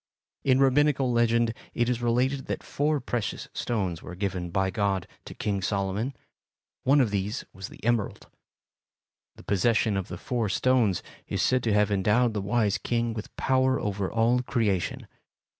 In Rabbinical legend it is related that four precious stones were given by God to King Solomon; one of these was the emerald. The possession of the four stones is said to have endowed the wise king with power over all creation.